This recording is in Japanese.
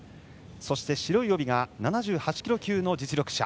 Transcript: そして白い帯が７８キロ級の実力者。